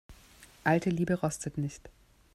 Alte Liebe rostet nicht.